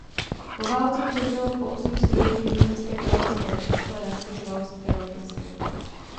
Po válce převzalo po osmi strojích nizozemské královské letectvo a dánské královské letectvo.